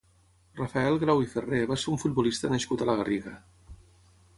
Rafael Grau i Ferrer va ser un futbolista nascut a la Garriga.